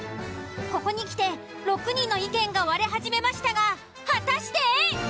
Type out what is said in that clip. ここにきて６人の意見が割れ始めましたが果たして！？